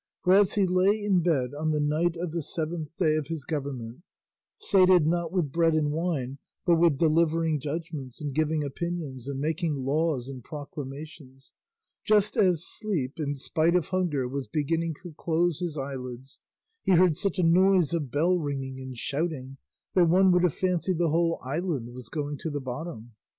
For as he lay in bed on the night of the seventh day of his government, sated, not with bread and wine, but with delivering judgments and giving opinions and making laws and proclamations, just as sleep, in spite of hunger, was beginning to close his eyelids, he heard such a noise of bell ringing and shouting that one would have fancied the whole island was going to the bottom.